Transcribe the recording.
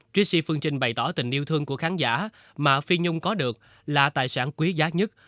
trishy phương trình bày tỏ tình yêu thương của khán giả mà phi nhung có được là tài sản quý giá nhất